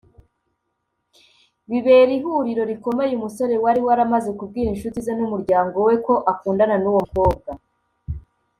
Bibera ihuriro rikomeye umusore wari waramaze kubwira inshuti ze n'umuryango we ko akundana n'uwo mukobwa